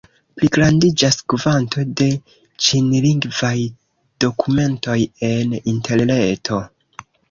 Pligrandiĝas kvanto de ĉinlingvaj dokumentoj en Interreto.